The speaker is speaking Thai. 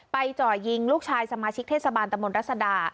จ่อยิงลูกชายสมาชิกเทศบาลตะมนตรัศดา